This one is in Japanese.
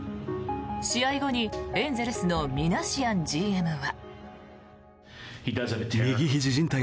試合後にエンゼルスのミナシアンＧＭは。